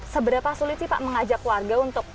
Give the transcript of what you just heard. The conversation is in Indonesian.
seberapa sulit sih pak mengajak warga untuk